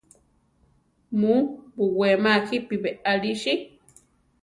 Mu buwéma jípi beʼalí si.